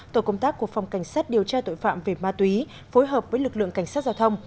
tổ công tác của phòng cảnh sát điều tra tội phạm về ma túy phối hợp với lực lượng cảnh sát giao thông